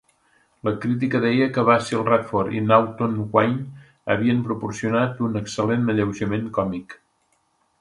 La crítica deia que Basil Radford i Naunton Wayne havien "proporcionat un excel·lent alleujament còmic".